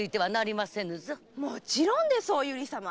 もちろんですお由利様。